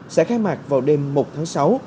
sẽ khai mạc vào đêm một tháng sáu